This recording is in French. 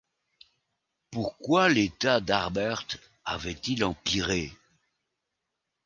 Pourquoi l’état d’Harbert avait-il empiré